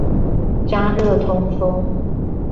加熱通風